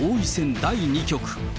第２局。